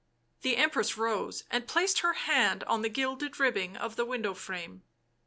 The Empress rose and placed her hand on the gilded ribbing of the window frame.